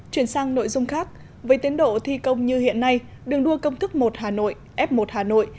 chuyển sang nội dung khác với tiến độ thi công như hiện nay đường đua công thức một hà nội f một hà nội